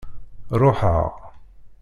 Ṛuḥeɣ.